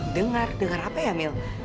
dengar dengar apa ya mil